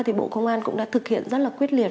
thì bộ công an cũng đã thực hiện rất là quyết liệt